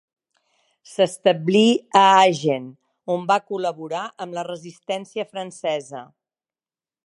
S'establí a Agen, on va col·laborar amb la Resistència francesa.